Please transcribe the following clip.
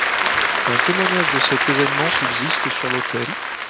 Un témoignage de cet événement subsiste sur l'Autel.